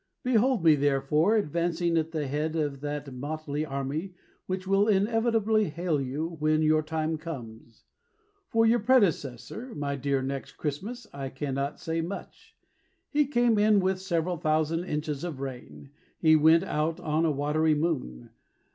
Behold me, therefore, advancing At the head of that motley army Which will inevitably hail you When your time comes. For your predecessor, My dear Next Christmas, I cannot say much. He came in with several thousand inches of rain; He went out on a watery moon.